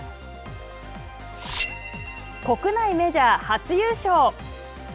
国内メジャー初優勝！